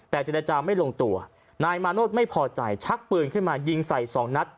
แต่เจรจาไม่ลงตัวนายมาโนธไม่พอใจชักปืนขึ้นมายิงใส่สองนัด